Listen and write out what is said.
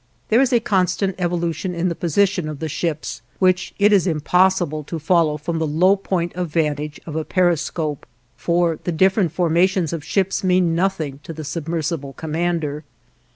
There is a constant evolution in the position of the ships which it is impossible to follow from the low point of vantage of a periscope, for the different formations of ships mean nothing to the submersible commander.